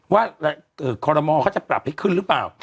ว่าคอรมอเขาจะปรับให้ขึ้นหรือเปล่า